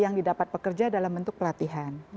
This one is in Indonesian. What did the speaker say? yang didapat pekerja dalam bentuk pelatihan